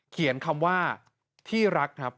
เขียนคำว่าที่รักครับ